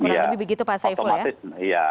kurang lebih begitu pak saiful ya